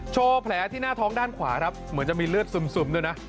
โชว์แผลที่หน้าท้องด้านขวาครับเหมือนจะมีเลือดซึมด้วยนะ